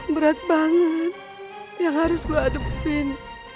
berat banget yang harus gue adepin